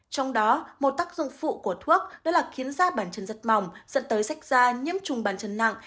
trong đó một tác dụng phụ của thuốc đó là khiến da bàn chân rất mỏng dẫn tới sách da nhiễm trùng bàn chân nặng